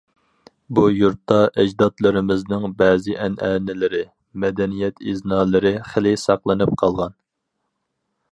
بۇ يۇرتتا ئەجدادلىرىمىزنىڭ بەزى ئەنئەنىلىرى، مەدەنىيەت ئىزنالىرى خېلى ساقلىنىپ قالغان.